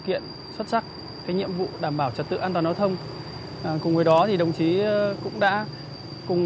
kiện xuất sắc cái nhiệm vụ đảm bảo trật tự an toàn giao thông cùng với đó thì đồng chí cũng đã cùng